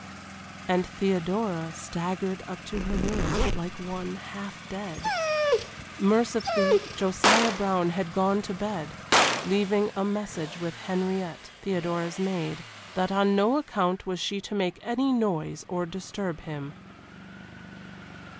And Theodora staggered up to her room like one half dead. Mercifully Josiah Brown, had gone to bed, leaving a message with Henriette, Theodora's maid, that on no account was she to make any noise or disturb him.